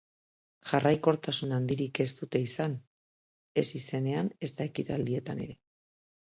Jarraikortasun handirik ez dute izan, ez izenean ezta ekitaldietan ere.